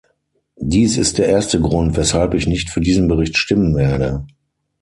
Dies ist der erste Grund, weshalb ich nicht für diesen Bericht stimmen werde.